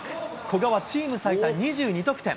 古賀はチーム最多２２得点。